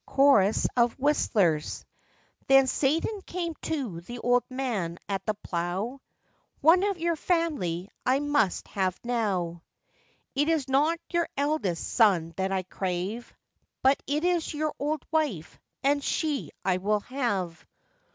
[Chorus of whistlers.] Then Satan came to the old man at the plough,— 'One of your family I must have now. 'It is not your eldest son that I crave, But it is your old wife, and she I will have.